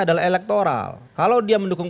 adalah elektoral kalau dia mendukung